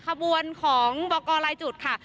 ขบวนของบอกกรรายจุดค่ะ